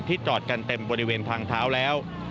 จอดกันเต็มบริเวณทางเท้าแล้ว